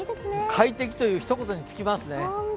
快適というひと言に尽きますね。